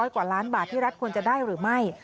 กว่าล้านบาทที่รัฐควรจะได้หรือไม่